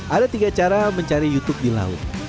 ada tiga cara mencari youtube di laut